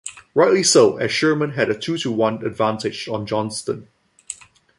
Rightly so, as Sherman had a two-to-one advantage on Johnston.